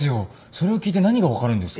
それを聞いて何が分かるんですか。